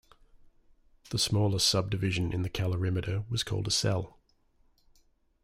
The smallest subdivision in the calorimeter was called a cell.